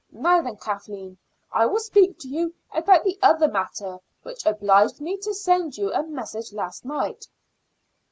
Now then, Kathleen, I will speak to you about the other matter which obliged me to send you a message last night."